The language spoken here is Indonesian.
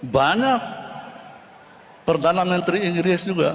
banyak perdana menteri inggris juga